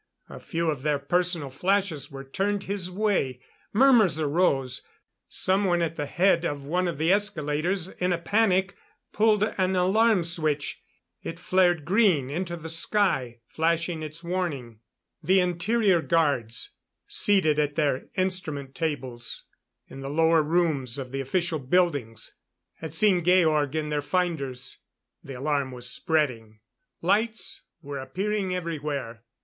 A few of their personal flashes were turned his way. Murmurs arose. Someone at the head of one of the escalators, in a panic pulled an alarm switch. It flared green into the sky, flashing its warning. The interior guards seated at their instrument tables in the lower rooms of the official buildings had seen Georg in their finders. The alarm was spreading. Lights were appearing everywhere....